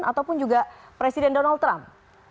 ataupun juga presiden donald trump